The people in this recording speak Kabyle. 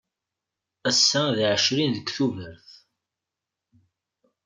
Ass-a d ɛecrin deg Tubeṛ.